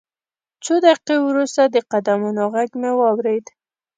څو دقیقې وروسته د قدمونو غږ مې واورېد